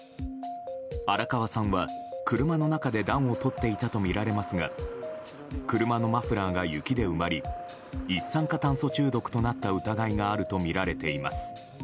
荒川さんは車の中で暖をとっていたとみられますが車のマフラーが雪で埋まり一酸化炭素中毒となった疑いがあるとみられています。